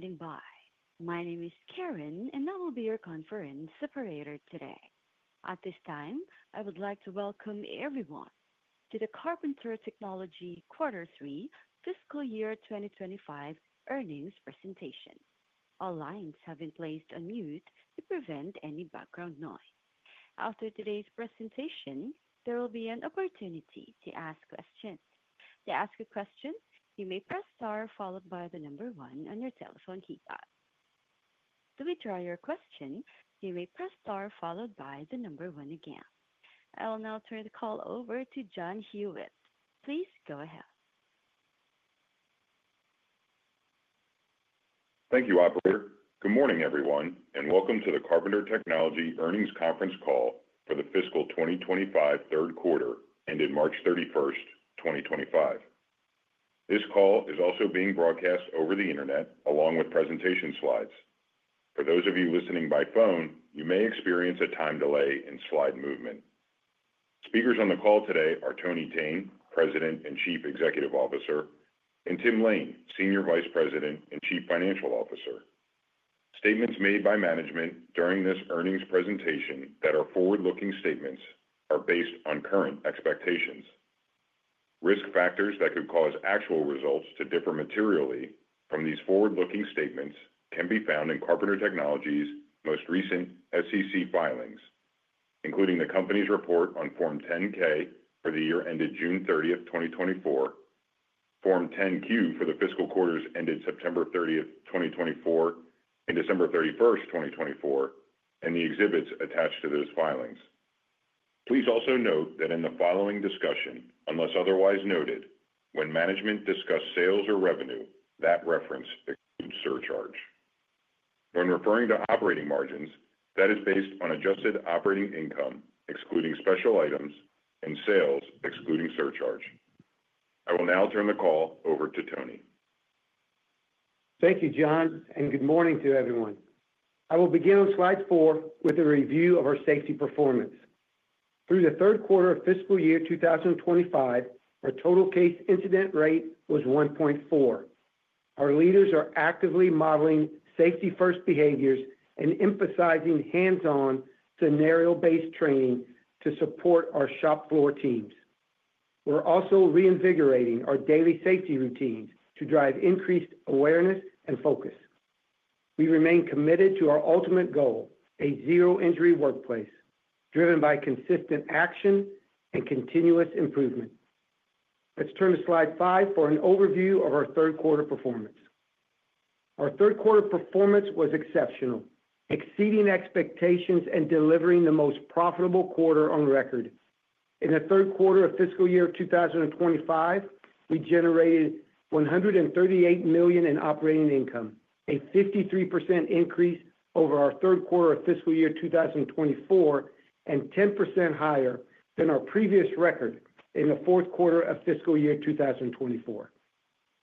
Thank you for standing by. My name is Karen, and I will be your conference operator today. At this time, I would like to welcome everyone to the Carpenter Technology Quarter Three, Fiscal Year 2025 earnings presentation. All lines have been placed on mute to prevent any background noise. After today's presentation, there will be an opportunity to ask questions. To ask a question, you may press star followed by the number one on your telephone keypad. To withdraw your question, you may press star followed by the number one again. I'll now turn the call over to John Huyett. Please go ahead. Thank you, Operator. Good morning, everyone, and welcome to the Carpenter Technology earnings conference call for the fiscal 2025 third quarter ended March 31, 2025. This call is also being broadcast over the internet along with presentation slides. For those of you listening by phone, you may experience a time delay in slide movement. Speakers on the call today are Tony Thene, President and Chief Executive Officer, and Tim Lain, Senior Vice President and Chief Financial Officer. Statements made by management during this earnings presentation that are forward-looking statements are based on current expectations. Risk factors that could cause actual results to differ materially from these forward-looking statements can be found in Carpenter Technology's most recent SEC filings, including the company's report on Form 10-K for the year ended June 30, 2024, Form 10-Q for the fiscal quarters ended September 30, 2024, and December 31, 2024, and the exhibits attached to those filings. Please also note that in the following discussion, unless otherwise noted, when management discussed sales or revenue, that reference includes surcharge. When referring to operating margins, that is based on adjusted operating income excluding special items and sales excluding surcharge. I will now turn the call over to Tony. Thank you, John, and good morning to everyone. I will begin on slide four with a review of our safety performance. Through the third quarter of fiscal year 2025, our total case incident rate was 1.4. Our leaders are actively modeling safety-first behaviors and emphasizing hands-on scenario-based training to support our shop floor teams. We're also reinvigorating our daily safety routines to drive increased awareness and focus. We remain committed to our ultimate goal, a zero-injury workplace driven by consistent action and continuous improvement. Let's turn to slide five for an overview of our third quarter performance. Our third quarter performance was exceptional, exceeding expectations and delivering the most profitable quarter on record. In the third quarter of fiscal year 2025, we generated $138 million in operating income, a 53% increase over our third quarter of fiscal year 2024, and 10% higher than our previous record in the fourth quarter of fiscal year 2024.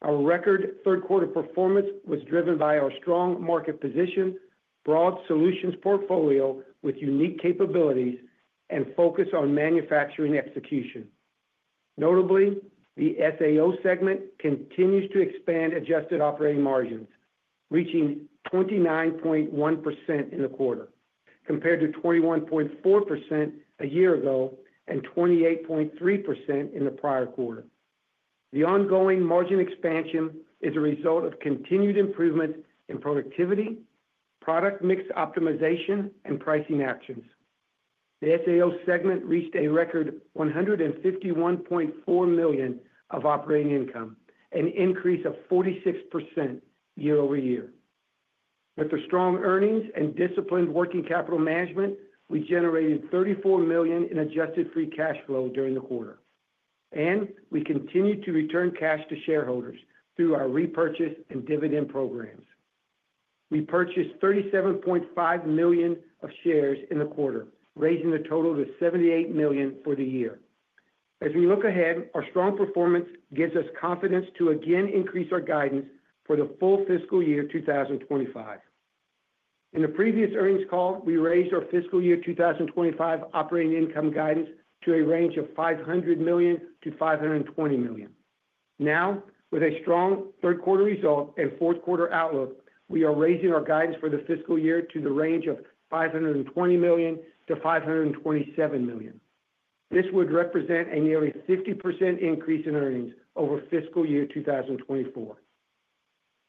Our record third quarter performance was driven by our strong market position, broad solutions portfolio with unique capabilities, and focus on manufacturing execution. Notably, the SAO segment continues to expand adjusted operating margins, reaching 29.1% in the quarter, compared to 21.4% a year ago and 28.3% in the prior quarter. The ongoing margin expansion is a result of continued improvement in productivity, product mix optimization, and pricing actions. The SAO segment reached a record $151.4 million of operating income, an increase of 46% year over year. With the strong earnings and disciplined working capital management, we generated $34 million in adjusted free cash flow during the quarter, and we continue to return cash to shareholders through our repurchase and dividend programs. We purchased $37.5 million of shares in the quarter, raising the total to $78 million for the year. As we look ahead, our strong performance gives us confidence to again increase our guidance for the full fiscal year 2025. In the previous earnings call, we raised our fiscal year 2025 operating income guidance to a range of $500 million-$520 million. Now, with a strong third quarter result and fourth quarter outlook, we are raising our guidance for the fiscal year to the range of $520 million-$527 million. This would represent a nearly 50% increase in earnings over fiscal year 2024.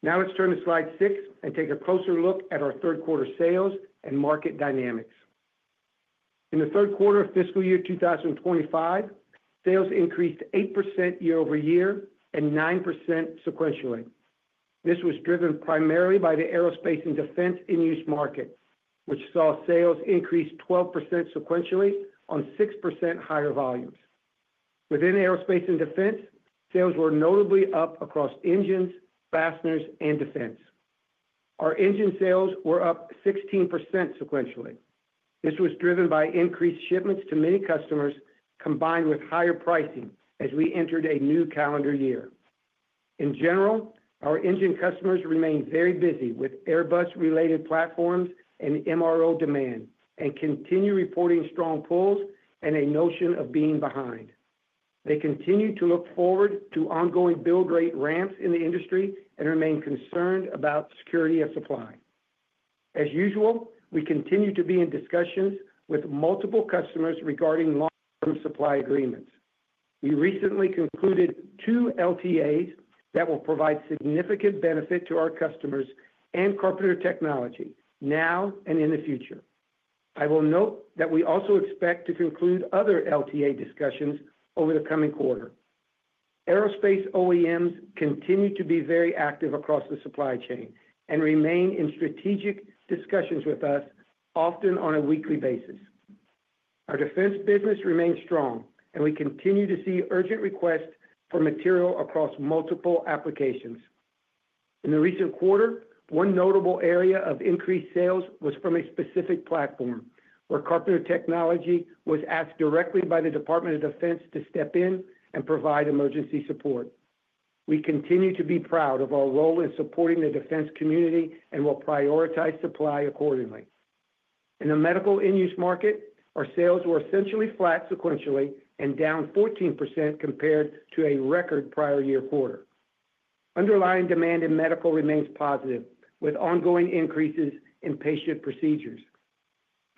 Now let's turn to slide six and take a closer look at our third quarter sales and market dynamics. In the third quarter of fiscal year 2025, sales increased 8% year over year and 9% sequentially. This was driven primarily by the aerospace and defense end-use market, which saw sales increase 12% sequentially on 6% higher volumes. Within aerospace and defense, sales were notably up across engines, fasteners, and defense. Our engine sales were up 16% sequentially. This was driven by increased shipments to many customers combined with higher pricing as we entered a new calendar year. In general, our engine customers remain very busy with Airbus-related platforms and MRO demand and continue reporting strong pulls and a notion of being behind. They continue to look forward to ongoing build rate ramps in the industry and remain concerned about security of supply. As usual, we continue to be in discussions with multiple customers regarding long-term supply agreements. We recently concluded two LTAs that will provide significant benefit to our customers and Carpenter Technology now and in the future. I will note that we also expect to conclude other LTA discussions over the coming quarter. Aerospace OEMs continue to be very active across the supply chain and remain in strategic discussions with us, often on a weekly basis. Our defense business remains strong, and we continue to see urgent requests for material across multiple applications. In the recent quarter, one notable area of increased sales was from a specific platform where Carpenter Technology was asked directly by the Department of Defense to step in and provide emergency support. We continue to be proud of our role in supporting the defense community and will prioritize supply accordingly. In the medical end-use market, our sales were essentially flat sequentially and down 14% compared to a record prior year quarter. Underlying demand in medical remains positive, with ongoing increases in patient procedures.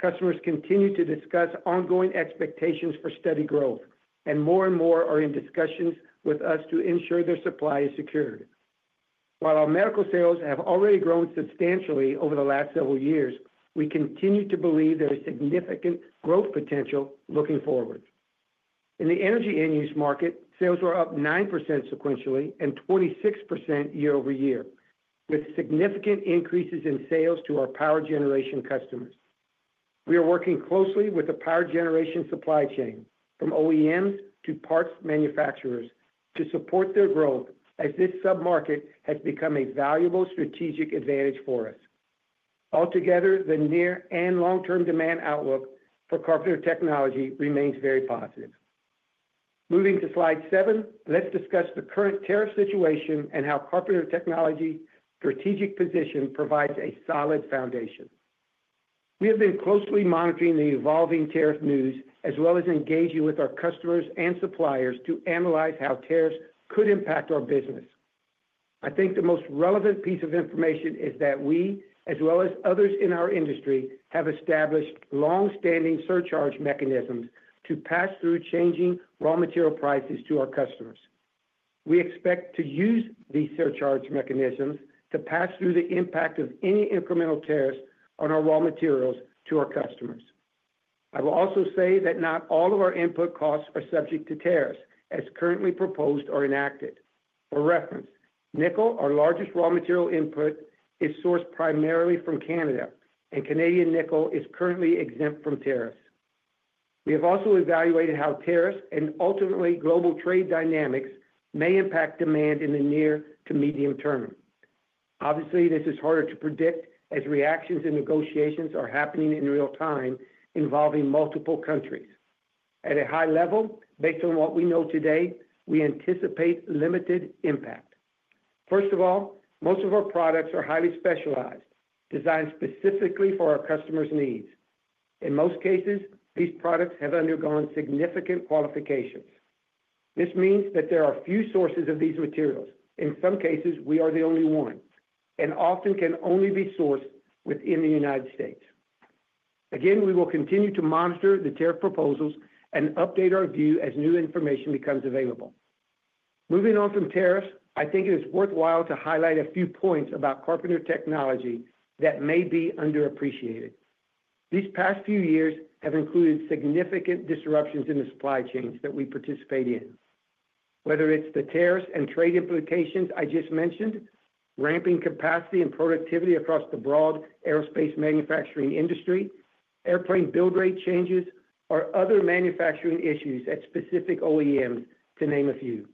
Customers continue to discuss ongoing expectations for steady growth, and more and more are in discussions with us to ensure their supply is secured. While our medical sales have already grown substantially over the last several years, we continue to believe there is significant growth potential looking forward. In the energy end-use market, sales were up 9% sequentially and 26% year over year, with significant increases in sales to our power generation customers. We are working closely with the power generation supply chain, from OEMs to parts manufacturers, to support their growth as this sub-market has become a valuable strategic advantage for us. Altogether, the near and long-term demand outlook for Carpenter Technology remains very positive. Moving to slide seven, let's discuss the current tariff situation and how Carpenter Technology's strategic position provides a solid foundation. We have been closely monitoring the evolving tariff news as well as engaging with our customers and suppliers to analyze how tariffs could impact our business. I think the most relevant piece of information is that we, as well as others in our industry, have established long-standing surcharge mechanisms to pass through changing raw material prices to our customers. We expect to use these surcharge mechanisms to pass through the impact of any incremental tariffs on our raw materials to our customers. I will also say that not all of our input costs are subject to tariffs as currently proposed or enacted. For reference, nickel, our largest raw material input, is sourced primarily from Canada, and Canadian nickel is currently exempt from tariffs. We have also evaluated how tariffs and ultimately global trade dynamics may impact demand in the near to medium term. Obviously, this is harder to predict as reactions and negotiations are happening in real time involving multiple countries. At a high level, based on what we know today, we anticipate limited impact. First of all, most of our products are highly specialized, designed specifically for our customers' needs. In most cases, these products have undergone significant qualifications. This means that there are few sources of these materials. In some cases, we are the only one and often can only be sourced within the United States. Again, we will continue to monitor the tariff proposals and update our view as new information becomes available. Moving on from tariffs, I think it is worthwhile to highlight a few points about Carpenter Technology that may be underappreciated. These past few years have included significant disruptions in the supply chains that we participate in. Whether it's the tariffs and trade implications I just mentioned, ramping capacity and productivity across the broad aerospace manufacturing industry, airplane build rate changes, or other manufacturing issues at specific OEMs, to name a few.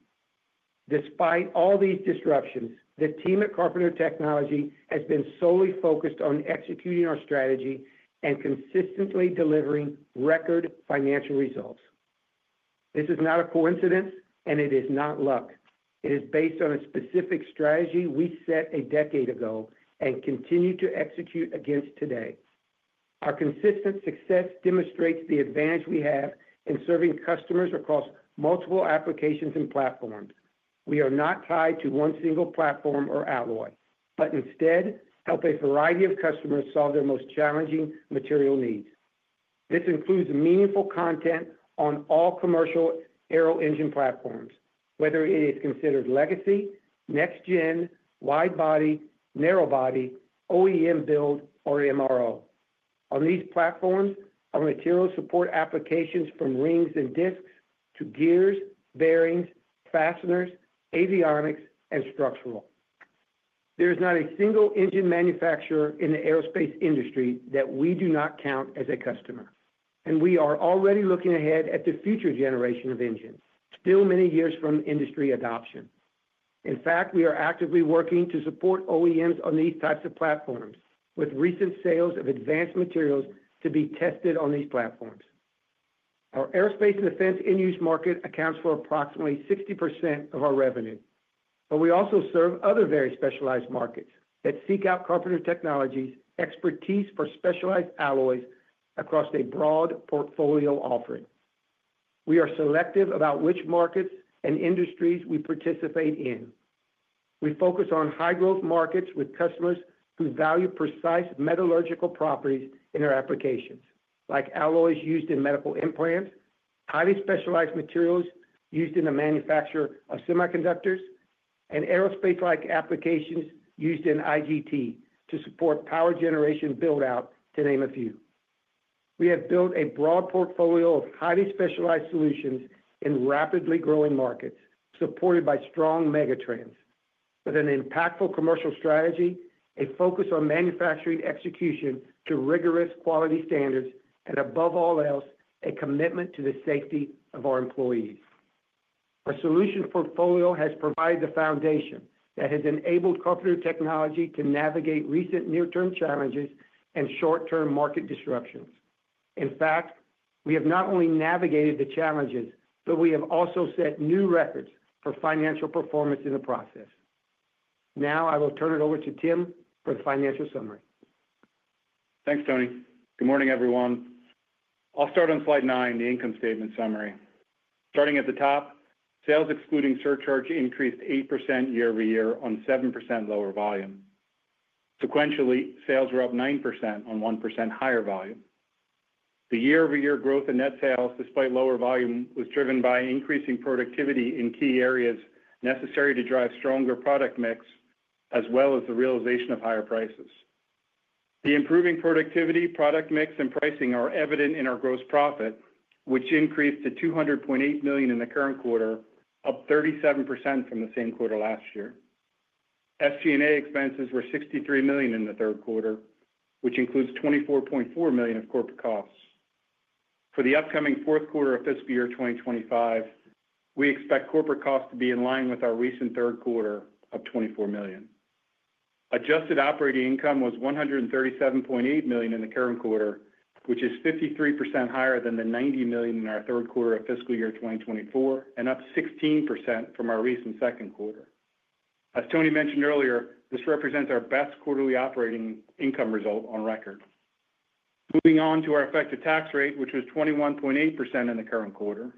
Despite all these disruptions, the team at Carpenter Technology has been solely focused on executing our strategy and consistently delivering record financial results. This is not a coincidence, and it is not luck. It is based on a specific strategy we set a decade ago and continue to execute against today. Our consistent success demonstrates the advantage we have in serving customers across multiple applications and platforms. We are not tied to one single platform or alloy, but instead help a variety of customers solve their most challenging material needs. This includes meaningful content on all commercial aero engine platforms, whether it is considered legacy, next-gen, wide body, narrow body, OEM build, or MRO. On these platforms, our materials support applications from rings and disks to gears, bearings, fasteners, avionics, and structural. There is not a single engine manufacturer in the aerospace industry that we do not count as a customer, and we are already looking ahead at the future generation of engines, still many years from industry adoption. In fact, we are actively working to support OEMs on these types of platforms, with recent sales of advanced materials to be tested on these platforms. Our aerospace and defense end - use market accounts for approximately 60% of our revenue, but we also serve other very specialized markets that seek out Carpenter Technology's expertise for specialized alloys across a broad portfolio offering. We are selective about which markets and industries we participate in. We focus on high-growth markets with customers who value precise metallurgical properties in our applications, like alloys used in medical implants, highly specialized materials used in the manufacture of semiconductors, and aerospace-like applications used in IGT to support power generation build-out, to name a few. We have built a broad portfolio of highly specialized solutions in rapidly growing markets supported by strong megatrends, with an impactful commercial strategy, a focus on manufacturing execution to rigorous quality standards, and above all else, a commitment to the safety of our employees. Our solution portfolio has provided the foundation that has enabled Carpenter Technology to navigate recent near-term challenges and short-term market disruptions. In fact, we have not only navigated the challenges, but we have also set new records for financial performance in the process. Now I will turn it over to Tim for the financial summary. Thanks, Tony. Good morning, everyone. I'll start on slide nine, the income statement summary. Starting at the top, sales excluding surcharge increased 8% year over year on 7% lower volume. Sequentially, sales were up 9% on 1% higher volume. The year-over-year growth in net sales, despite lower volume, was driven by increasing productivity in key areas necessary to drive stronger product mix, as well as the realization of higher prices. The improving productivity, product mix, and pricing are evident in our gross profit, which increased to $200.8 million in the current quarter, up 37% from the same quarter last year. SG&A expenses were $63 million in the third quarter, which includes $24.4 million of corporate costs. For the upcoming fourth quarter of fiscal year 2025, we expect corporate costs to be in line with our recent third quarter of $24 million. Adjusted operating income was $137.8 million in the current quarter, which is 53% higher than the $90 million in our third quarter of fiscal year 2024 and up 16% from our recent second quarter. As Tony mentioned earlier, this represents our best quarterly operating income result on record. Moving on to our effective tax rate, which was 21.8% in the current quarter.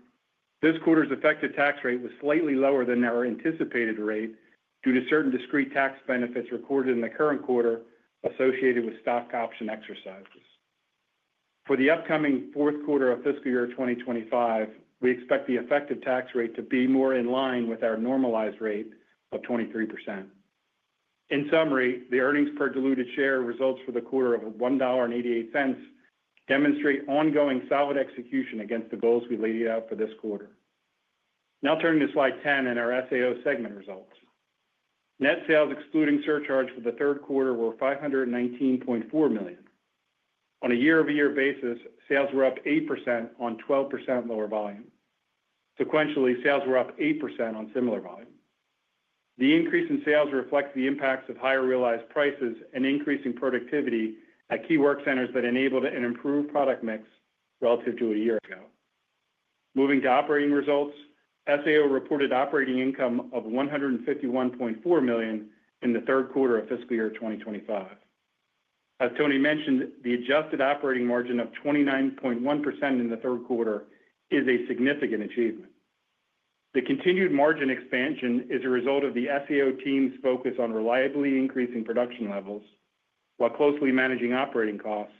This quarter's effective tax rate was slightly lower than our anticipated rate due to certain discrete tax benefits recorded in the current quarter associated with stock option exercises. For the upcoming fourth quarter of fiscal year 2025, we expect the effective tax rate to be more in line with our normalized rate of 23%. In summary, the earnings per diluted share results for the quarter of $1.88 demonstrate ongoing solid execution against the goals we laid out for this quarter. Now turning to slide 10 in our SAO segment results. Net sales excluding surcharge for the third quarter were $519.4 million. On a year-over-year basis, sales were up 8% on 12% lower volume. Sequentially, sales were up 8% on similar volume. The increase in sales reflects the impacts of higher realized prices and increasing productivity at key work centers that enabled an improved product mix relative to a year ago. Moving to operating results, SAO reported operating income of $151.4 million in the third quarter of fiscal year 2025. As Tony mentioned, the adjusted operating margin of 29.1% in the third quarter is a significant achievement. The continued margin expansion is a result of the SAO team's focus on reliably increasing production levels while closely managing operating costs,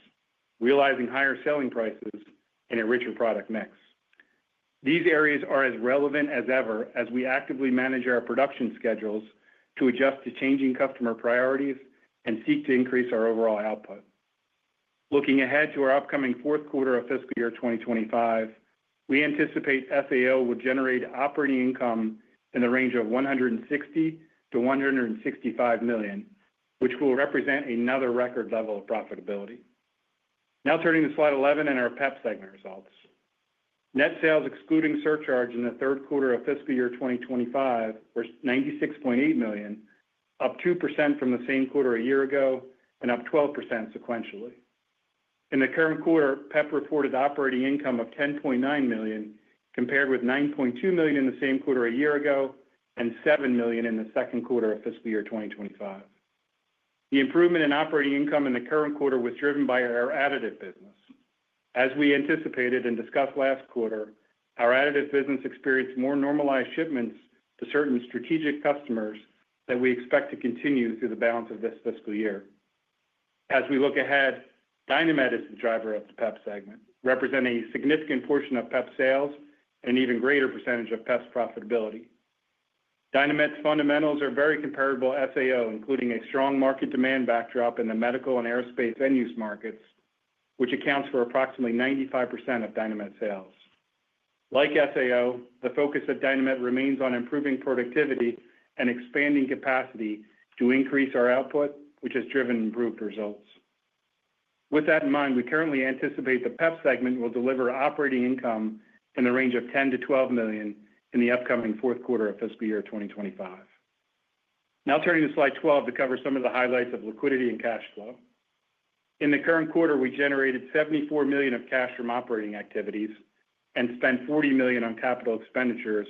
realizing higher selling prices, and enriching product mix. These areas are as relevant as ever as we actively manage our production schedules to adjust to changing customer priorities and seek to increase our overall output. Looking ahead to our upcoming fourth quarter of fiscal year 2025, we anticipate SAO would generate operating income in the range of $160-$165 million, which will represent another record level of profitability. Now turning to slide 11 in our PEP segment results. Net sales excluding surcharge in the third quarter of fiscal year 2025 were $96.8 million, up 2% from the same quarter a year ago and up 12% sequentially. In the current quarter, PEPP reported operating income of $10.9 million compared with $9.2 million in the same quarter a year ago and $7 million in the second quarter of fiscal year 2025. The improvement in operating income in the current quarter was driven by our additive business. As we anticipated and discussed last quarter, our additive business experienced more normalized shipments to certain strategic customers that we expect to continue through the balance of this fiscal year. As we look ahead, Dynamet is the driver of the PEPP segment, representing a significant portion of PEPP sales and an even greater percentage of PEPP's profitability. DynaMed's fundamentals are very comparable to SAO, including a strong market demand backdrop in the medical and aerospace end-use markets, which accounts for approximately 95% of DynaMed sales. Like SAO, the focus at DynaMed remains on improving productivity and expanding capacity to increase our output, which has driven improved results. With that in mind, we currently anticipate the PEPP segment will deliver operating income in the range of $10-$12 million in the upcoming fourth quarter of fiscal year 2025. Now turning to slide 12 to cover some of the highlights of liquidity and cash flow. In the current quarter, we generated $74 million of cash from operating activities and spent $40 million on capital expenditures,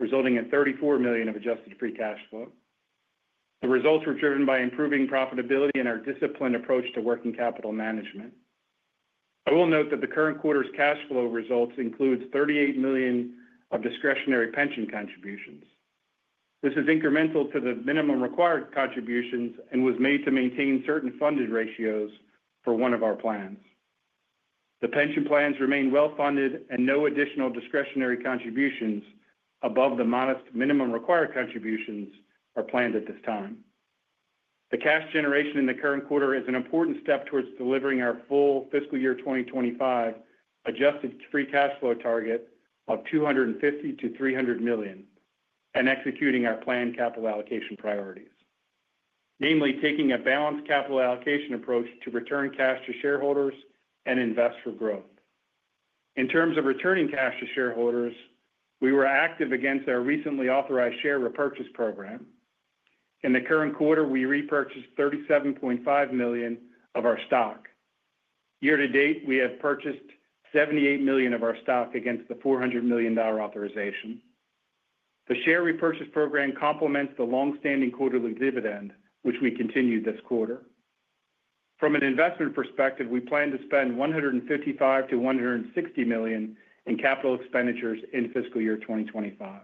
resulting in $34 million of adjusted free cash flow. The results were driven by improving profitability and our disciplined approach to working capital management. I will note that the current quarter's cash flow results include $38 million of discretionary pension contributions. This is incremental to the minimum required contributions and was made to maintain certain funded ratios for one of our plans. The pension plans remain well funded, and no additional discretionary contributions above the modest minimum required contributions are planned at this time. The cash generation in the current quarter is an important step towards delivering our full fiscal year 2025 adjusted free cash flow target of $250-$300 million and executing our planned capital allocation priorities, namely taking a balanced capital allocation approach to return cash to shareholders and invest for growth. In terms of returning cash to shareholders, we were active against our recently authorized share repurchase program. In the current quarter, we repurchased $37.5 million of our stock. Year to date, we have purchased $78 million of our stock against the $400 million authorization. The share repurchase program complements the long-standing quarterly dividend, which we continued this quarter. From an investment perspective, we plan to spend $155-$160 million in capital expenditures in fiscal year 2025.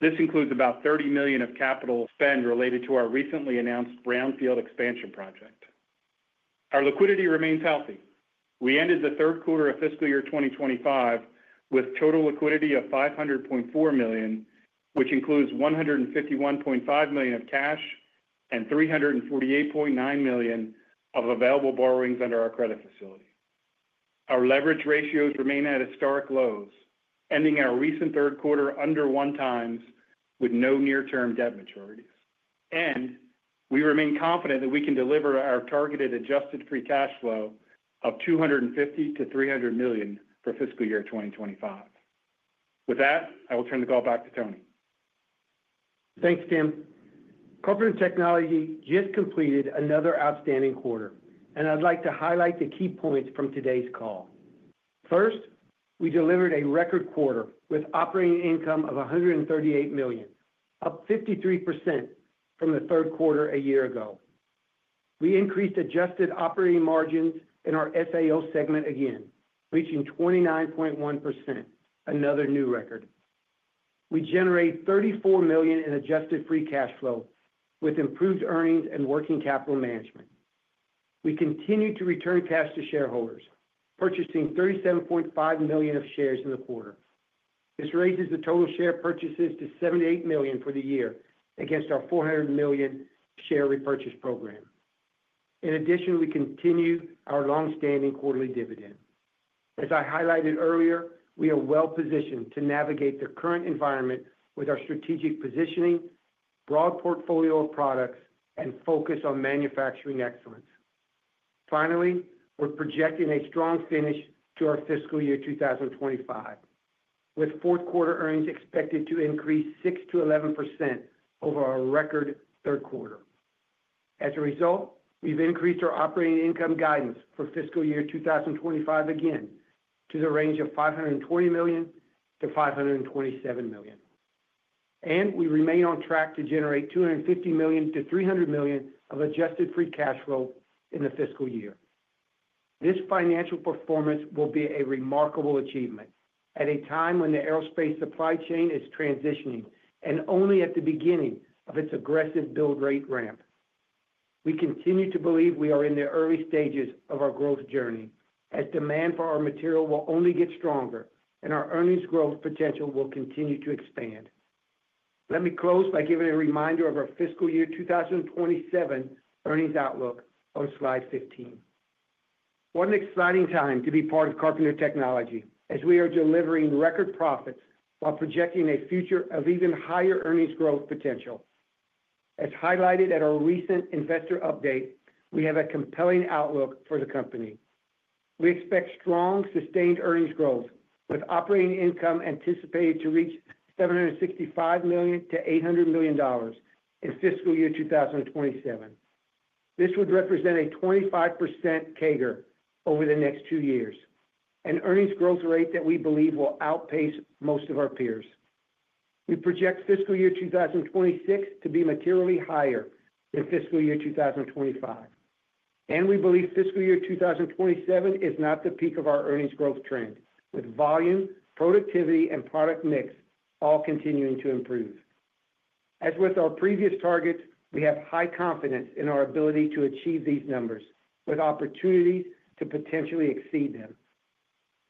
This includes about $30 million of capital spend related to our recently announced brownfield expansion project. Our liquidity remains healthy. We ended the third quarter of fiscal year 2025 with total liquidity of $500.4 million, which includes $151.5 million of cash and $348.9 million of available borrowings under our credit facility. Our leverage ratios remain at historic lows, ending our recent third quarter under one times with no near-term debt maturities. We remain confident that we can deliver our targeted adjusted free cash flow of $250-$300 million for fiscal year 2025. With that, I will turn the call back to Tony. Thanks, Tim. Carpenter Technology just completed another outstanding quarter, and I'd like to highlight the key points from today's call. First, we delivered a record quarter with operating income of $138 million, up 53% from the third quarter a year ago. We increased adjusted operating margins in our SAO segment again, reaching 29.1%, another new record. We generated $34 million in adjusted free cash flow with improved earnings and working capital management. We continued to return cash to shareholders, purchasing $37.5 million of shares in the quarter. This raises the total share purchases to $78 million for the year against our $400 million share repurchase program. In addition, we continue our long-standing quarterly dividend. As I highlighted earlier, we are well positioned to navigate the current environment with our strategic positioning, broad portfolio of products, and focus on manufacturing excellence. Finally, we're projecting a strong finish to our fiscal year 2025, with fourth quarter earnings expected to increase 6%-11% over our record third quarter. As a result, we've increased our operating income guidance for fiscal year 2025 again to the range of $520 million-$527 million. We remain on track to generate $250 million-$300 million of adjusted free cash flow in the fiscal year. This financial performance will be a remarkable achievement at a time when the aerospace supply chain is transitioning and only at the beginning of its aggressive build rate ramp. We continue to believe we are in the early stages of our growth journey as demand for our material will only get stronger and our earnings growth potential will continue to expand. Let me close by giving a reminder of our fiscal year 2027 earnings outlook on slide 15. What an exciting time to be part of Carpenter Technology as we are delivering record profits while projecting a future of even higher earnings growth potential. As highlighted at our recent investor update, we have a compelling outlook for the company. We expect strong sustained earnings growth with operating income anticipated to reach $765 million-$800 million in fiscal year 2027. This would represent a 25% CAGR over the next two years, an earnings growth rate that we believe will outpace most of our peers. We project fiscal year 2026 to be materially higher than fiscal year 2025. We believe fiscal year 2027 is not the peak of our earnings growth trend, with volume, productivity, and product mix all continuing to improve. As with our previous targets, we have high confidence in our ability to achieve these numbers with opportunities to potentially exceed them.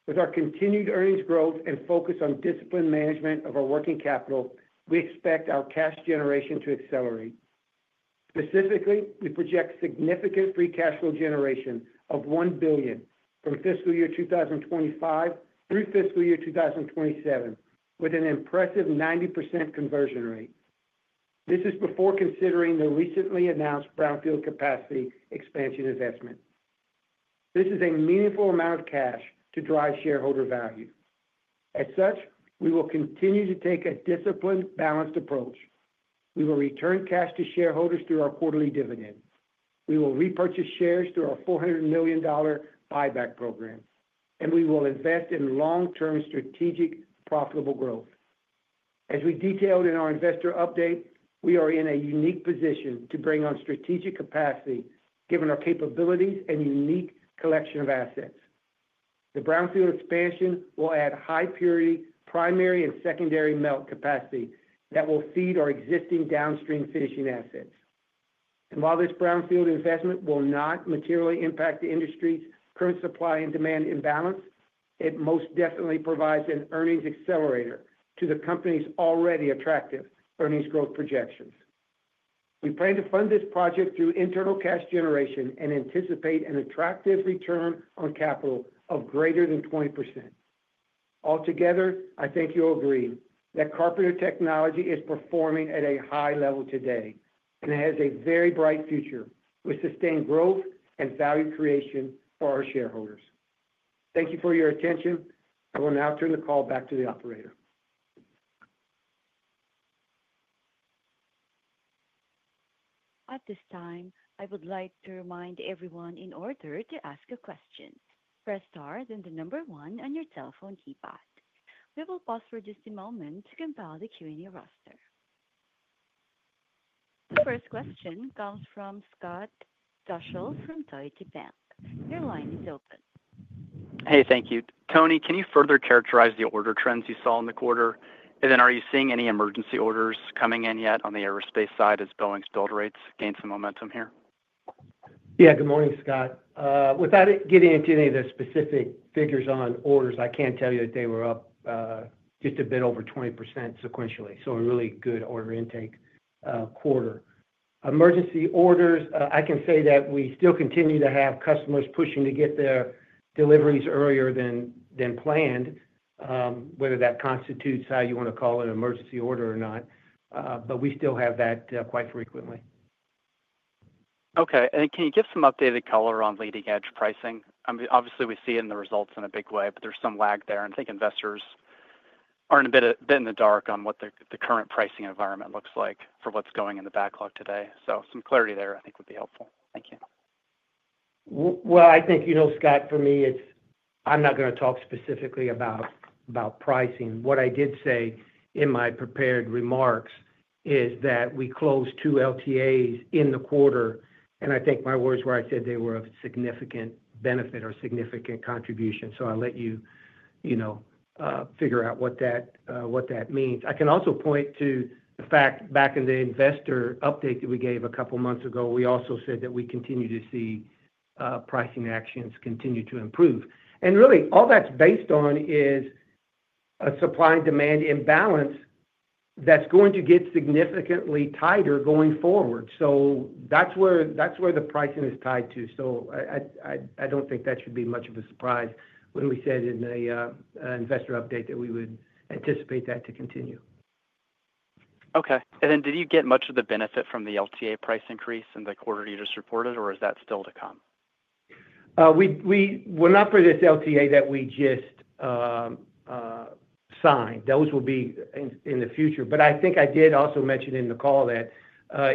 With our continued earnings growth and focus on disciplined management of our working capital, we expect our cash generation to accelerate. Specifically, we project significant free cash flow generation of $1 billion from fiscal year 2025 through fiscal year 2027, with an impressive 90% conversion rate. This is before considering the recently announced brownfield capacity expansion investment. This is a meaningful amount of cash to drive shareholder value. As such, we will continue to take a disciplined, balanced approach. We will return cash to shareholders through our quarterly dividend. We will repurchase shares through our $400 million buyback program, and we will invest in long-term strategic profitable growth. As we detailed in our investor update, we are in a unique position to bring on strategic capacity given our capabilities and unique collection of assets. The brownfield expansion will add high-purity primary and secondary melt capacity that will feed our existing downstream finishing assets. While this brownfield investment will not materially impact the industry's current supply and demand imbalance, it most definitely provides an earnings accelerator to the company's already attractive earnings growth projections. We plan to fund this project through internal cash generation and anticipate an attractive return on capital of greater than 20%. Altogether, I think you'll agree that Carpenter Technology is performing at a high level today and has a very bright future with sustained growth and value creation for our shareholders. Thank you for your attention. I will now turn the call back to the operator. At this time, I would like to remind everyone in order to ask a question, press star then the number one on your telephone keypad. We will pause for just a moment to compile the Q&A roster. The first question comes from Scott Deuschle from Deutsche Bank. Your line is open. Hey, thank you. Tony, can you further characterize the order trends you saw in the quarter? And then are you seeing any emergency orders coming in yet on the aerospace side as Boeing's build rates gain some momentum here? Yeah, good morning, Scott. Without getting into any of the specific figures on orders, I can tell you that they were up just a bit over 20% sequentially. So a really good order intake quarter. Emergency orders, I can say that we still continue to have customers pushing to get their deliveries earlier than planned, whether that constitutes how you want to call an emergency order or not, but we still have that quite frequently. Okay. Can you give some updated color on leading-edge pricing? I mean, obviously, we see it in the results in a big way, but there's some lag there. I think investors are a bit in the dark on what the current pricing environment looks like for what's going in the backlog today. Some clarity there, I think, would be helpful. Thank you. I think, you know, Scott, for me, it's I'm not going to talk specifically about pricing. What I did say in my prepared remarks is that we closed two LTAs in the quarter, and I think my words were I said they were of significant benefit or significant contribution. I'll let you figure out what that means. I can also point to the fact back in the investor update that we gave a couple of months ago, we also said that we continue to see pricing actions continue to improve. Really, all that's based on is a supply-demand imbalance that's going to get significantly tighter going forward. That is where the pricing is tied to. I do not think that should be much of a surprise when we said in the investor update that we would anticipate that to continue. Okay. Did you get much of the benefit from the LTA price increase in the quarter you just reported, or is that still to come? Not for this LTA that we just signed. Those will be in the future. I think I did also mention in the call that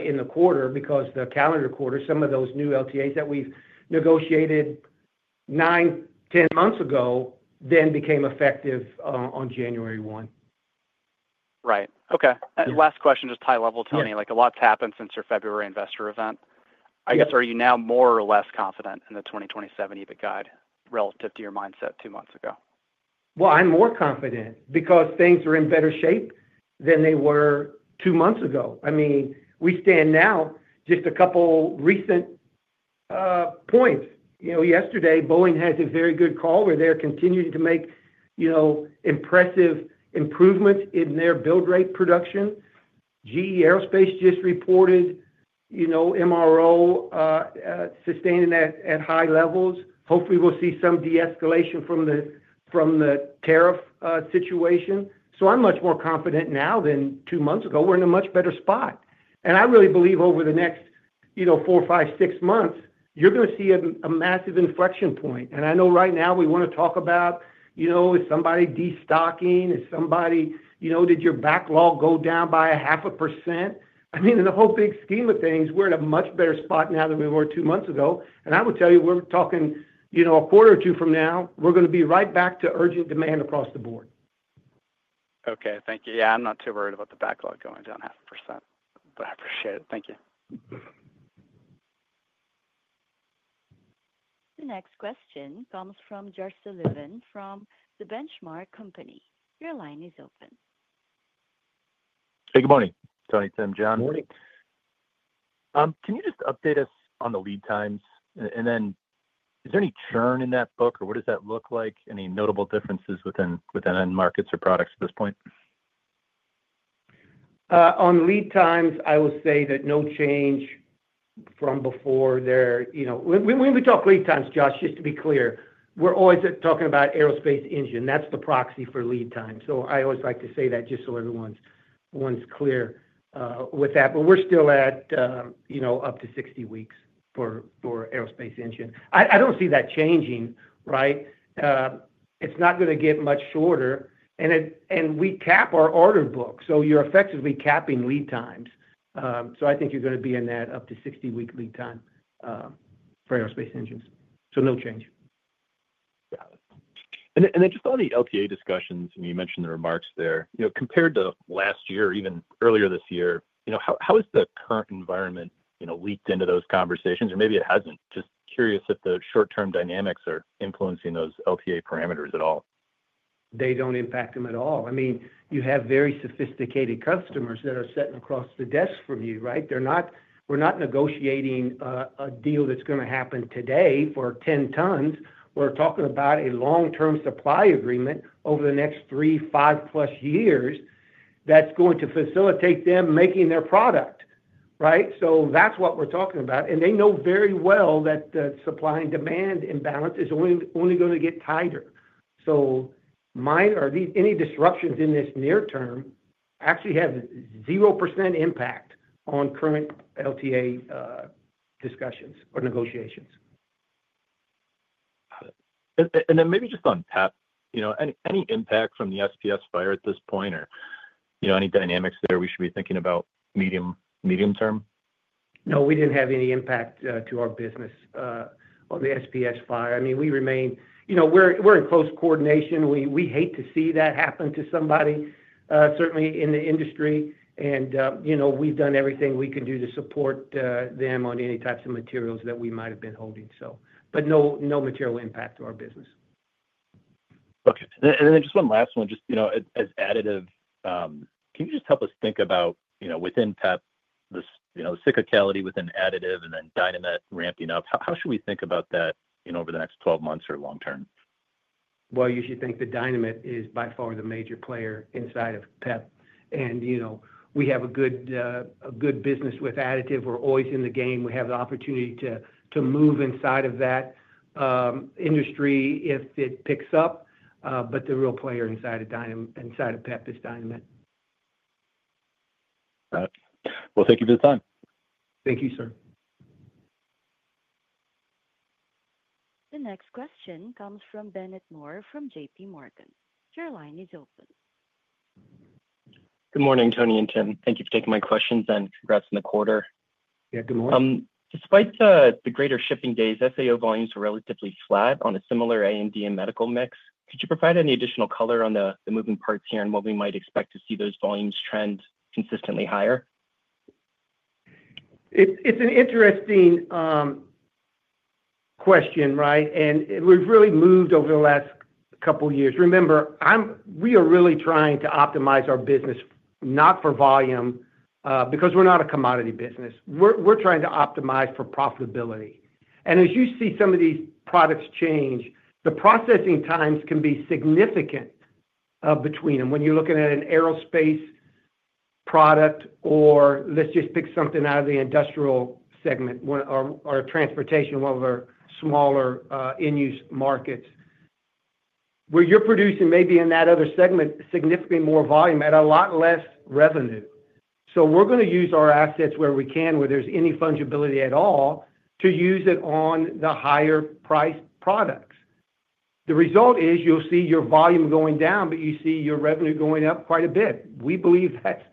in the quarter, because the calendar quarter, some of those new LTAs that we've negotiated nine, ten months ago then became effective on January 1. Right. Okay. Last question, just high level, Tony. A lot's happened since your February investor event. I guess, are you now more or less confident in the 2027 EBIT guide relative to your mindset two months ago? I'm more confident because things are in better shape than they were two months ago. I mean, we stand now just a couple recent points. Yesterday, Boeing had a very good call where they're continuing to make impressive improvements in their build rate production. GE Aerospace just reported MRO sustaining at high levels. Hopefully, we'll see some de-escalation from the tariff situation. I'm much more confident now than two months ago. We're in a much better spot. I really believe over the next four, five, six months, you're going to see a massive inflection point. I know right now we want to talk about, is somebody destocking? Is somebody, did your backlog go down by 0.5%? I mean, in the whole big scheme of things, we're in a much better spot now than we were two months ago. I would tell you, we're talking a quarter or two from now, we're going to be right back to urgent demand across the board. Okay. Thank you. Yeah, I'm not too worried about the backlog going down 0.5%, but I appreciate it. Thank you. The next question comes from Josh Sullivan from The Benchmark Company. Your line is open. Hey, good morning. Tony, Tim, John. Good morning. Can you just update us on the lead times? Is there any churn in that book, or what does that look like? Any notable differences within end markets or products at this point? On lead times, I will say that no change from before. When we talk lead times, Josh, just to be clear, we're always talking about aerospace engine. That's the proxy for lead time. I always like to say that just so everyone's clear with that. We're still at up to 60 weeks for aerospace engine. I do not see that changing, right? It's not going to get much shorter. We cap our order book, so you're effectively capping lead times. I think you're going to be in that up to 60-week lead time for aerospace engines. No change. Got it. Just on the LTA discussions, and you mentioned the remarks there, compared to last year or even earlier this year, how has the current environment leaked into those conversations? Maybe it has not. Just curious if the short-term dynamics are influencing those LTA parameters at all. They do not impact them at all. I mean, you have very sophisticated customers that are sitting across the desk from you, right? We are not negotiating a deal that is going to happen today for 10 tons. We are talking about a long-term supply agreement over the next three, five-plus years that is going to facilitate them making their product, right? That is what we are talking about. They know very well that the supply and demand imbalance is only going to get tighter. Any disruptions in this near term actually have 0% impact on current LTA discussions or negotiations. Got it. Then maybe just on tech, any impact from the SPS fire at this point, or any dynamics there we should be thinking about medium-term? No, we did not have any impact to our business on the SPS fire. I mean, we remain, we are in close coordination. We hate to see that happen to somebody, certainly in the industry. We have done everything we can do to support them on any types of materials that we might have been holding. No material impact to our business. Okay. Just one last one, just as additive, can you help us think about within PEP, the cyclicality within additive and then Dynamet ramping up? How should we think about that over the next 12 months or long term? You should think the Dynamet is by far the major player inside of PEP. We have a good business with additive. We're always in the game. We have the opportunity to move inside of that industry if it picks up. The real player inside of PEP is Dynamet. Got it. Thank you for the time. Thank you, sir. The next question comes from. Your line is open. Good morning, Tony and Tim. Thank you for taking my questions and congrats on the quarter. Yeah, good morning. Despite the greater shipping days, SAO volumes are relatively flat on a similar A&D and medical mix. Could you provide any additional color on the moving parts here and what we might expect to see those volumes trend consistently higher? It's an interesting question, right? We have really moved over the last couple of years. Remember, we are really trying to optimize our business, not for volume, because we're not a commodity business. We're trying to optimize for profitability. As you see some of these products change, the processing times can be significant between them. When you're looking at an aerospace product or let's just pick something out of the industrial segment or transportation, one of our smaller in-use markets, where you're producing maybe in that other segment significantly more volume at a lot less revenue. We are going to use our assets where we can, where there's any fungibility at all, to use it on the higher-priced products. The result is you'll see your volume going down, but you see your revenue going up quite a bit. We believe that's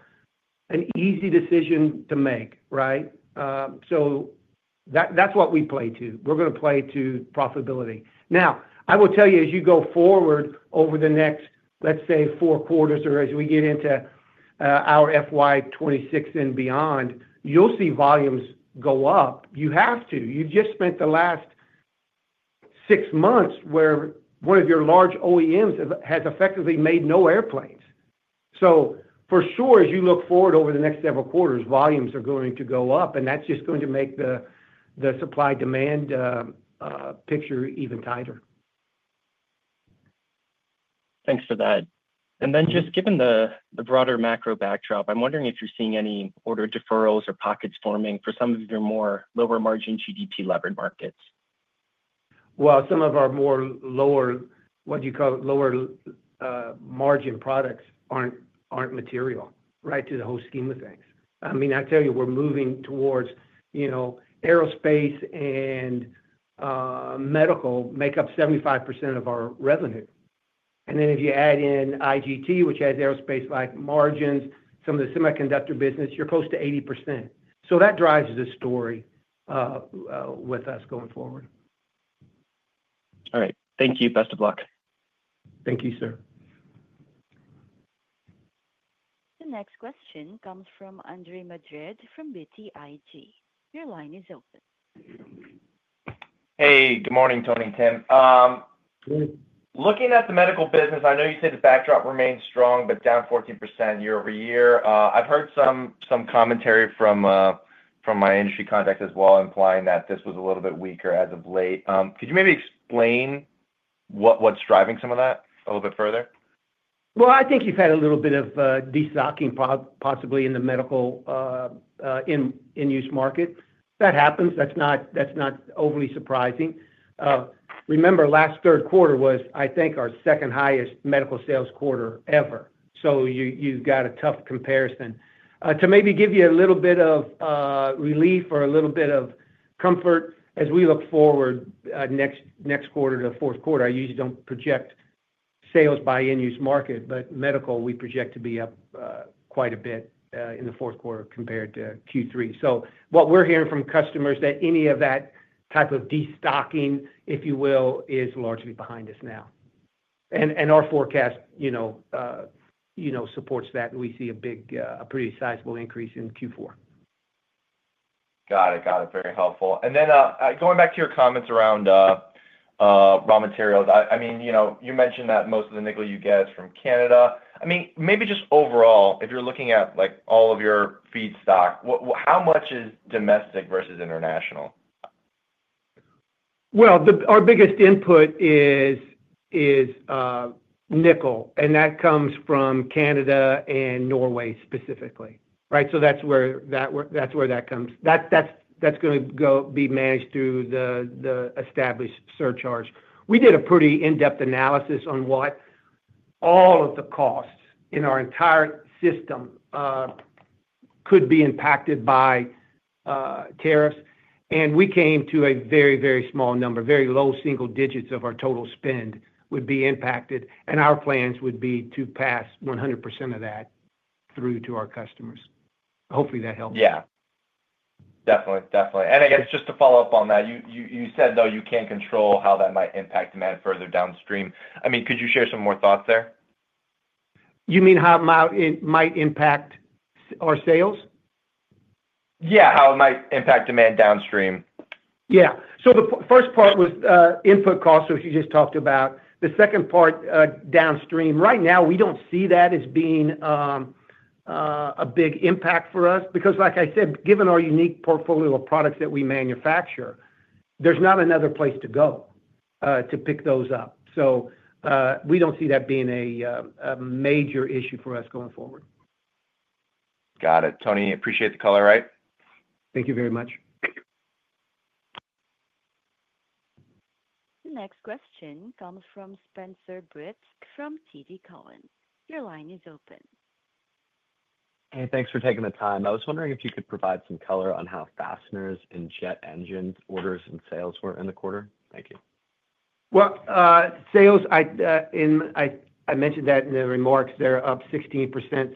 an easy decision to make, right? That is what we play to. We are going to play to profitability. Now, I will tell you, as you go forward over the next, let's say, four quarters or as we get into our FY2026 and beyond, you'll see volumes go up. You have to. You've just spent the last six months where one of your large OEMs has effectively made no airplanes. For sure, as you look forward over the next several quarters, volumes are going to go up, and that's just going to make the supply-demand picture even tighter. Thanks for that. Just given the broader macro backdrop, I'm wondering if you're seeing any order deferrals or pockets forming for some of your more lower-margin GDP-levered markets. Some of our more lower, what do you call it, lower-margin products aren't material, right, to the whole scheme of things. I mean, I tell you, we're moving towards aerospace and medical make up 75% of our revenue. If you add in IGT, which has aerospace-like margins, some of the semiconductor business, you're close to 80%. That drives the story with us going forward. All right. Thank you. Best of luck. Thank you, sir. The next question comes from Andre Madrid from BTIG. Your line is open. Hey, good morning, Tony and Tim. Looking at the medical business, I know you said the backdrop remains strong, but down 14% year over year. I've heard some commentary from my industry contact as well, implying that this was a little bit weaker as of late. Could you maybe explain what's driving some of that a little bit further? I think you've had a little bit of destocking, possibly in the medical in-use market. That happens. That's not overly surprising. Remember, last third quarter was, I think, our second-highest medical sales quarter ever. You have got a tough comparison. To maybe give you a little bit of relief or a little bit of comfort as we look forward next quarter to fourth quarter, I usually do not project sales by in-use market, but medical we project to be up quite a bit in the fourth quarter compared to Q3. What we are hearing from customers is that any of that type of destocking, if you will, is largely behind us now. Our forecast supports that, and we see a pretty sizable increase in Q4. Got it. Got it. Very helpful. Going back to your comments around raw materials, I mean, you mentioned that most of the nickel you get is from Canada. Maybe just overall, if you are looking at all of your feed stock, how much is domestic versus international? Our biggest input is nickel, and that comes from Canada and Norway specifically, right? That is going to be managed through the established surcharge. We did a pretty in-depth analysis on what all of the costs in our entire system could be impacted by tariffs. We came to a very, very small number. Very low single digits of our total spend would be impacted. Our plans would be to pass 100% of that through to our customers. Hopefully, that helps. Yeah. Definitely. Definitely. I guess just to follow up on that, you said, though, you can't control how that might impact demand further downstream. I mean, could you share some more thoughts there? You mean how it might impact our sales? Yeah. How it might impact demand downstream. The first part was input costs, which you just talked about. The second part downstream, right now, we don't see that as being a big impact for us because, like I said, given our unique portfolio of products that we manufacture, there's not another place to go to pick those up. So we don't see that being a major issue for us going forward. Got it. Tony, appreciate the call, right? Thank you very much. The next question comes from Spencer Breitzke from Deutsche Bank. Your line is open. Hey, thanks for taking the time. I was wondering if you could provide some color on how fasteners and jet engine orders and sales were in the quarter. Thank you. Sales, I mentioned that in the remarks. They're up 16%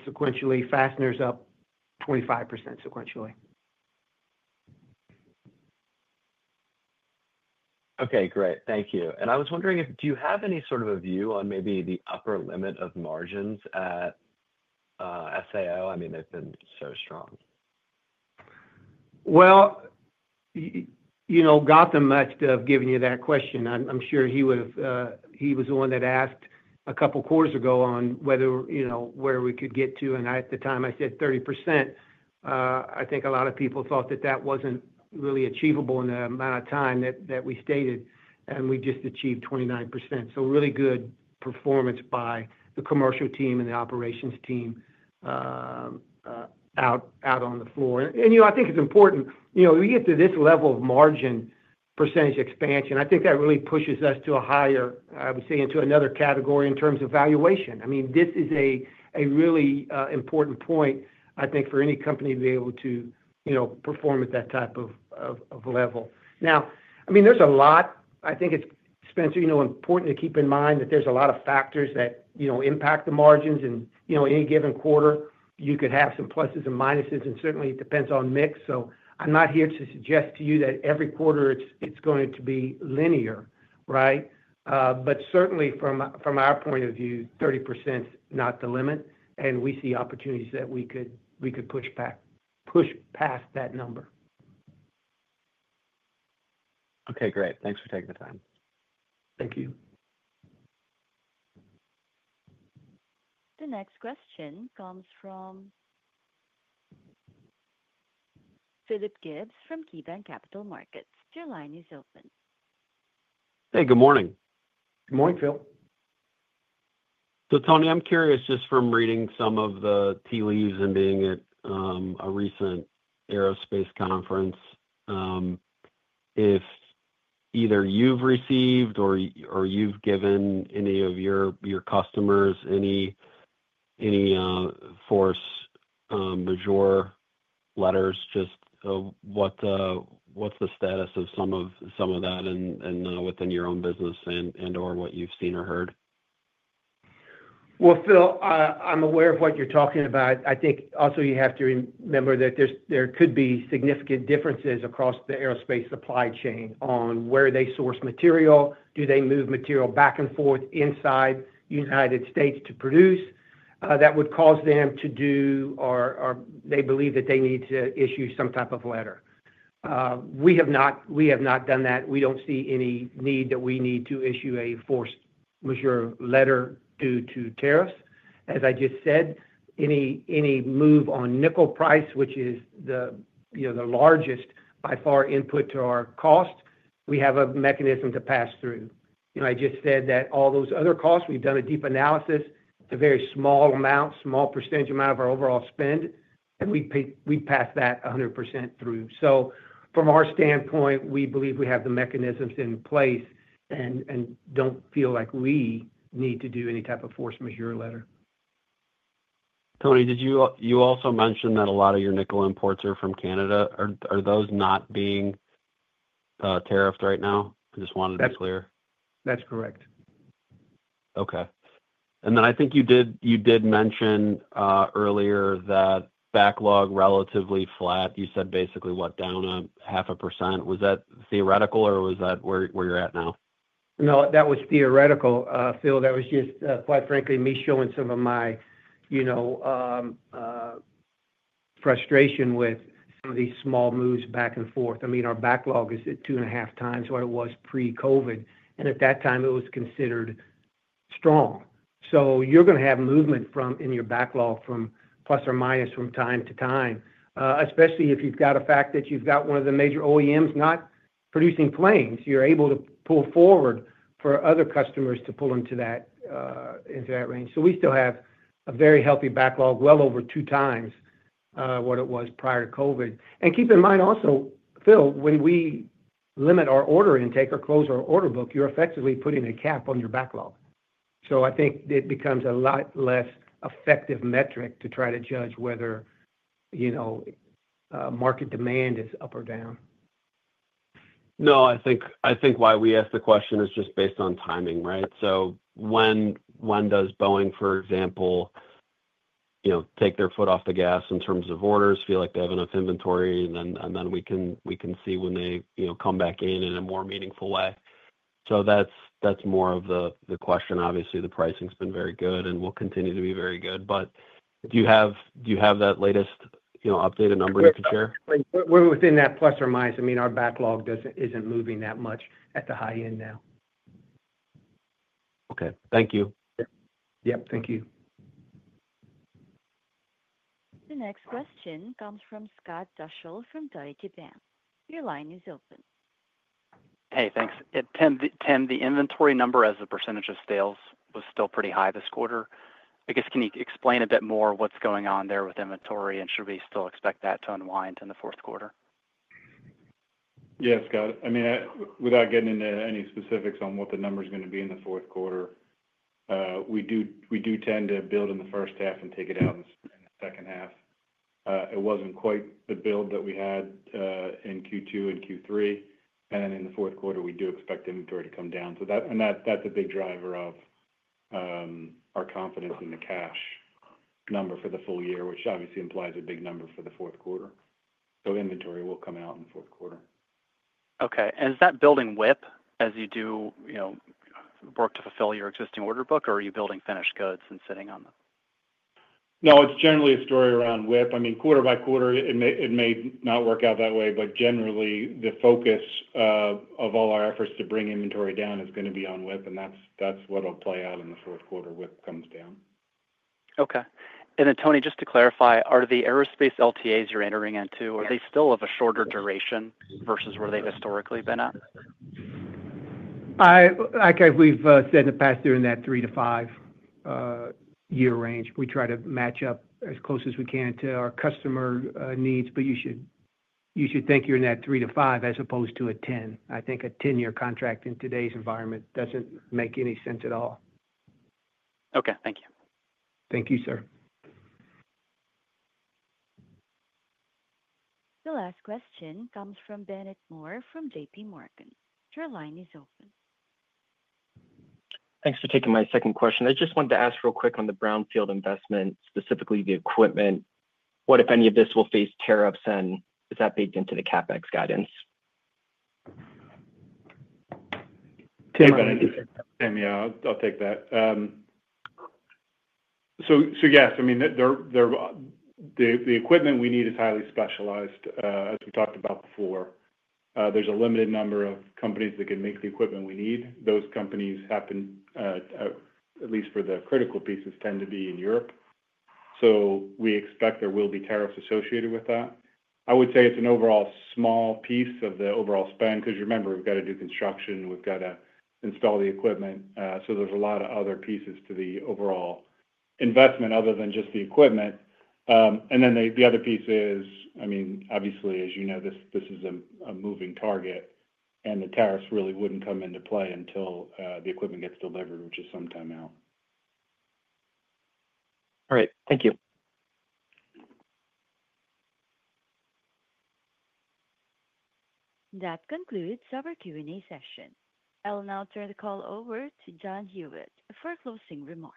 sequentially. Fasteners up 25% sequentially. Okay. Great. Thank you. I was wondering, do you have any sort of a view on maybe the upper limit of margins at SAO? I mean, they've been so strong. Gautam must have given you that question. I'm sure he was the one that asked a couple of quarters ago on where we could get to. At the time, I said 30%. I think a lot of people thought that that wasn't really achievable in the amount of time that we stated. We just achieved 29%. Really good performance by the commercial team and the operations team out on the floor. I think it's important we get to this level of margin percentage expansion. I think that really pushes us to a higher, I would say, into another category in terms of valuation. I mean, this is a really important point, I think, for any company to be able to perform at that type of level. Now, I mean, there's a lot. I think it's, Spencer, important to keep in mind that there's a lot of factors that impact the margins. Any given quarter, you could have some pluses and minuses. It depends on mix. I'm not here to suggest to you that every quarter it's going to be linear, right? Certainly, from our point of view, 30% is not the limit. We see opportunities that we could push past that number. Okay. Great. Thanks for taking the time. Thank you. The next question comes from Philip Gibbs from KeyBanc Capital Markets. Your line is open. Hey, good morning. Good morning, Phil. Tony, I'm curious just from reading some of the tea leaves and being at a recent aerospace conference, if either you've received or you've given any of your customers any force majeure letters, just what's the status of some of that within your own business and/or what you've seen or heard? Phil, I'm aware of what you're talking about. I think also you have to remember that there could be significant differences across the aerospace supply chain on where they source material. Do they move material back and forth inside the United States to produce? That would cause them to do, or they believe that they need to issue some type of letter. We have not done that. We don't see any need that we need to issue a force majeure letter due to tariffs. As I just said, any move on nickel price, which is the largest by far input to our cost, we have a mechanism to pass through. I just said that all those other costs, we've done a deep analysis. It's a very small amount, small percentage amount of our overall spend. And we pass that 100% through. From our standpoint, we believe we have the mechanisms in place and don't feel like we need to do any type of force majeure letter. Tony, you also mentioned that a lot of your nickel imports are from Canada. Are those not being tariffed right now? I just wanted to be clear. That's correct. I think you did mention earlier that backlog relatively flat. You said basically what, down a half a percent. Was that theoretical, or was that where you're at now? No, that was theoretical, Phil. That was just, quite frankly, me showing some of my frustration with some of these small moves back and forth. I mean, our backlog is at two and a half times what it was pre-COVID. At that time, it was considered strong. You're going to have movement in your backlog from plus or minus from time to time, especially if you've got a fact that you've got one of the major OEMs not producing planes. You're able to pull forward for other customers to pull into that range. We still have a very healthy backlog, well over two times what it was prior to COVID. Keep in mind also, Phil, when we limit our order intake, our close order book, you're effectively putting a cap on your backlog. I think it becomes a lot less effective metric to try to judge whether market demand is up or down. No, I think why we ask the question is just based on timing, right? When does Boeing, for example, take their foot off the gas in terms of orders, feel like they have enough inventory, and then we can see when they come back in in a more meaningful way? That is more of the question. Obviously, the pricing has been very good, and will continue to be very good. Do you have that latest updated number you can share? We are within that plus or minus. I mean, our backlog is not moving that much at the high end now. Okay. Thank you. Yep. Thank you. The next question comes from Scott Deuschle from TD Cowen. Your line is open. Hey, thanks. Tim, the inventory number as a percentage of sales was still pretty high this quarter. I guess can you explain a bit more what's going on there with inventory, and should we still expect that to unwind in the fourth quarter? Yes, Scott. I mean, without getting into any specifics on what the number is going to be in the fourth quarter, we do tend to build in the first half and take it out in the second half. It wasn't quite the build that we had in Q2 and Q3. In the fourth quarter, we do expect inventory to come down. That's a big driver of our confidence in the cash number for the full year, which obviously implies a big number for the fourth quarter. Inventory will come out in the fourth quarter. Okay. Is that building WIP as you do work to fulfill your existing order book, or are you building finished goods and sitting on them? No, it's generally a story around WIP. I mean, quarter by quarter, it may not work out that way, but generally, the focus of all our efforts to bring inventory down is going to be on WIP, and that's what will play out in the fourth quarter when it comes down. Okay. Tony, just to clarify, are the aerospace LTAs you're entering into still of a shorter duration versus where they've historically been at? Like we've said in the past, they're in that three to five-year range. We try to match up as close as we can to our customer needs, but you should think you're in that three to five as opposed to a 10. I think a 10-year contract in today's environment doesn't make any sense at all. Okay. Thank you. Thank you, sir. The last question comes from Scott Deuschle from td cowen. Your line is open. Thanks for taking my second question. I just wanted to ask real quick on the brownfield investment, specifically the equipment. What, if any, of this will face tariffs, and is that baked into the CapEx guidance? Tim, yeah, I'll take that. Yes, I mean, the equipment we need is highly specialized, as we talked about before. There's a limited number of companies that can make the equipment we need. Those companies happen, at least for the critical pieces, to be in Europe. We expect there will be tariffs associated with that. I would say it's an overall small piece of the overall spend because, remember, we've got to do construction. We've got to install the equipment. There are a lot of other pieces to the overall investment other than just the equipment. The other piece is, I mean, obviously, as you know, this is a moving target, and the tariffs really would not come into play until the equipment gets delivered, which is sometime out. All right. Thank you. That concludes our Q&A session. I'll now turn the call over to John Huyette for closing remarks.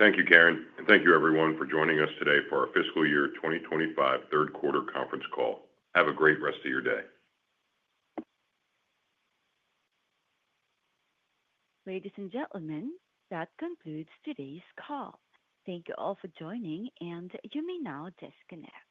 Thank you, Karen. And thank you, everyone, for joining us today for our fiscal year 2025 third quarter conference call. Have a great rest of your day. Ladies and gentlemen, that concludes today's call. Thank you all for joining, and you may now disconnect.